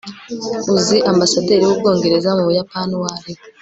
uzi ambasaderi w'ubwongereza mu buyapani uwo ari we